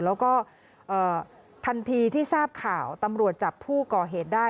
แล้วก็ทันทีที่ทราบข่าวตำรวจจับผู้ก่อเหตุได้